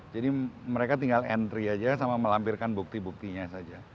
jadi mereka tinggal entry aja sama melampirkan bukti buktinya saja